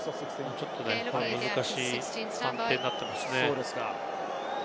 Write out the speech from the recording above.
ちょっと難しい判定になっていますね。